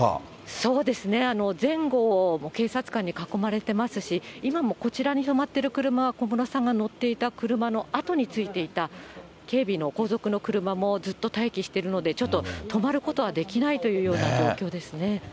そうですね、前後を警察官に囲まれてますし、今もこちらに止まっている車は小室さんが乗っていた車のあとについていた警備の後続の車もずっと待機しているので、ちょっと止まることはできないというような状況ですね。